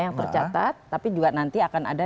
yang tercatat tapi juga nanti akan ada